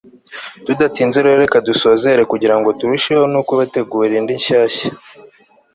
Tudatinze rero reka dusozere kugira ngo turusheho no kubategura indi nshyashya